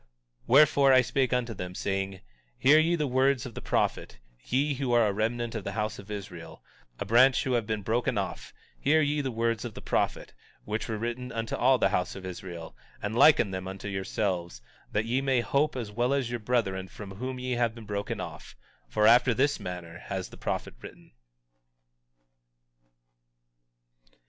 19:24 Wherefore I spake unto them, saying: Hear ye the words of the prophet, ye who are a remnant of the house of Israel, a branch who have been broken off; hear ye the words of the prophet, which were written unto all the house of Israel, and liken them unto yourselves, that ye may have hope as well as your brethren from whom ye have been broken off; for after this manner has the prophet written.